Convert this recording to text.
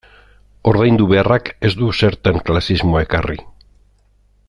Ordaindu beharrak ez du zertan klasismoa ekarri.